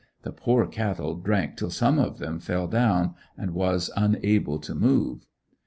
The poor cattle drank till some of them fell down and was unable to move.